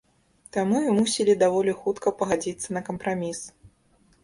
Таму і мусілі даволі хутка пагадзіцца на кампраміс.